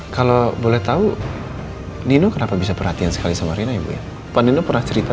kalau boleh tahu nino kenapa bisa perhatian sekali sama rina ibu ya pani pernah cerita